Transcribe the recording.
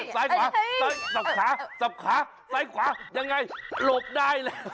ซ้ายขวาซ้ายขวายังไง